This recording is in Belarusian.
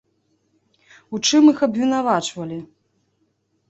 У чым іх абвінавачвалі?